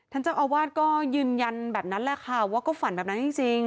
ท่านเจ้าอาวาสก็ยืนยันแบบนั้นแหละค่ะว่าก็ฝันแบบนั้นจริง